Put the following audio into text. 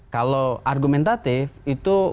kalau argumentatif itu